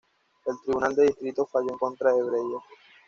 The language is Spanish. El tribunal de distrito falló en contra de Breyer.